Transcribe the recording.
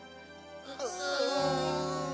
うん。